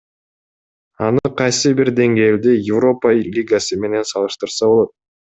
Аны кайсы бир деңгээлде Европа Лигасы менен салыштырса болот.